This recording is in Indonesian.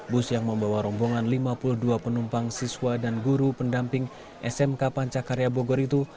bus yang membawa rombongan lima puluh dua penumpang siswa dan guru pendamping smk pancakarya bogor itu